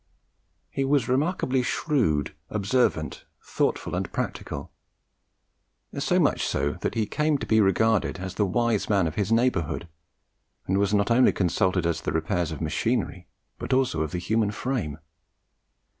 He was remarkably shrewd, observant, thoughtful, and practical; so much so that he came to be regarded as the "wise man" of his neighbourhood, and was not only consulted as to the repairs of machinery, but also of the human frame.